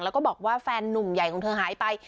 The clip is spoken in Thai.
แล้วก็บอกว่าแฟนนุ่มใหญ่ของเธอหายไป